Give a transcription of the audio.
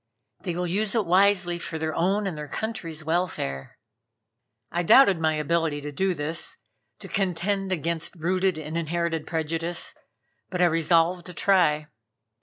They will use it wisely, for their own and their country's welfare." I doubted my ability to do this, to contend against rooted and inherited prejudice, but I resolved to try.